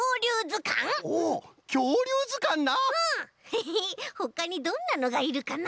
ヘヘッほかにどんなのがいるかな？